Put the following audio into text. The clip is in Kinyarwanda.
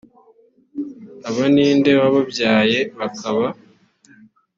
aba ni nde wababyaye bakaba